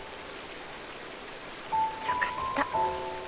よかった。